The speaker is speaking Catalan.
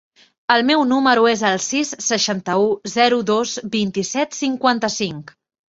El meu número es el sis, seixanta-u, zero, dos, vint-i-set, cinquanta-cinc.